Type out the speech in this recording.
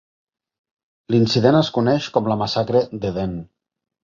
L'incident es coneix com la massacre d'Ehden.